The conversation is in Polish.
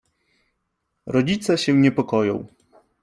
Rodzice się niepokoją.